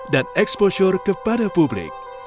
dan exposure kepada publik